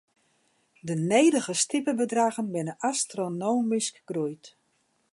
De nedige stipebedraggen binne astronomysk groeid.